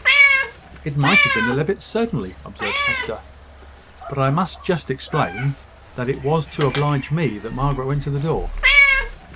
"It might have been the Levitts certainly," observed Hester: "but I must just explain that it was to oblige me that Margaret went to the door."